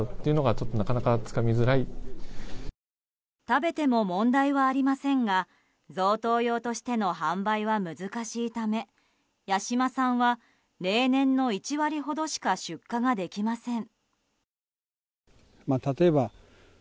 食べても問題はありませんが贈答用としての販売は難しいため八島さんは例年の１割ほどしか出荷ができません。